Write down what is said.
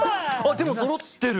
でもそろってる。